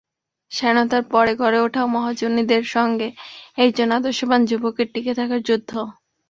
স্বাধীনতার পরে গড়ে ওঠা মহাজনীদের সঙ্গে একজন আদর্শবান যুবকের টিকে থাকার যুদ্ধ।